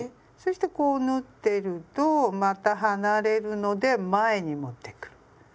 そしてこう縫ってるとまた離れるので前に持ってくる。